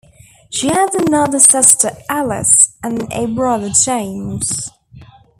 She has another sister Alice and a brother, James.